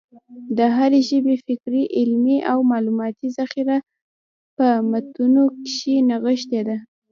د هري ژبي فکري، علمي او معلوماتي ذخیره په متونو کښي نغښتې ده.